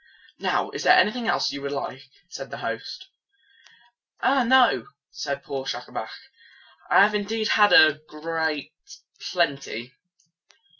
"Now is there anything else that you would like?" asked the host. "Ah, no!" said poor Schacabac. "I have indeed had great plenty."